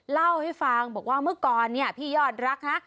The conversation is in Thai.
เล่าให้ฟังบอกว่าเมื่อก่อนเนี่ยพี่ยอดรักนะ